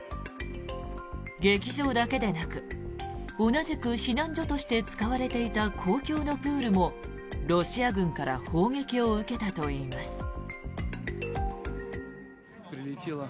劇場だけでなく同じく避難所として使われていた公共のプールもロシア軍から砲撃を受けたといいます。